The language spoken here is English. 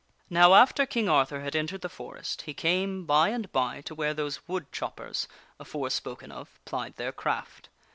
Now after King Arthur had entered the forest, he came by and by to where those wood choppers, afore spoken of, plied their craft.